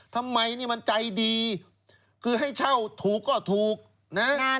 ทำไมนี่มันใจดีคือให้เช่าถูกก็ถูกนะ